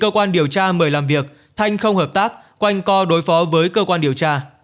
cơ quan điều tra mời làm việc thanh không hợp tác quanh co đối phó với cơ quan điều tra